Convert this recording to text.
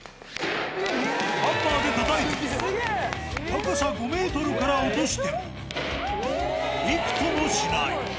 ハンマーでたたいても、高さ５メートルから落としても、びくともしない。